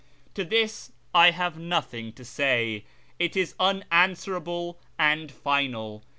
To this I have nothing to say ; it is unanswerable and final.